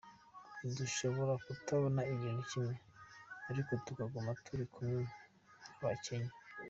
dushobora kutabona ibintu kimwe, ariko tukaguma turi kumwe nk’Abakenya.